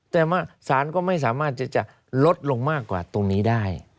แต่ว่าสารก็ไม่สามารถที่จะลดลงมากกว่าตรงนี้ได้